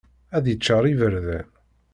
Ad yeččar iberdan.